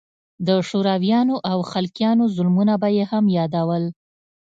د شورويانو او خلقيانو ظلمونه به يې هم يادول.